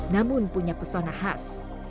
namun punya pesona khas